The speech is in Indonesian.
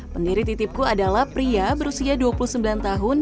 pendiri titipku adalah pria berusia dua puluh sembilan tahun